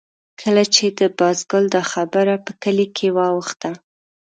کله چې د بازګل دا خبره په کلي کې واوښته.